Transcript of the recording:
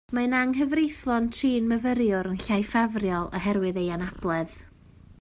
Mae'n anghyfreithlon trin myfyriwr yn llai ffafriol oherwydd ei anabledd